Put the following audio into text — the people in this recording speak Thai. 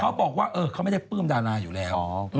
เขาบอกว่าเขาไม่ได้ปลื้มดาราอยู่แล้ว